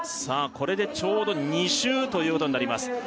これでちょうど２周ということになります